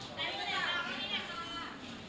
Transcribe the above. สวัสดีครับ